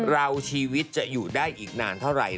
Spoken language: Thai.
ชีวิตจะอยู่ได้อีกนานเท่าไหร่